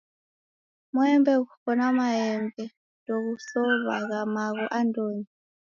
Mwembe ghukona maembe ndeghusowagha magho andonyi.